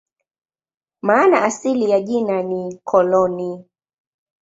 Maana asili ya jina ni "koloni".